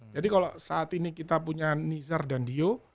jadi kalau saat ini kita punya nizar dan dio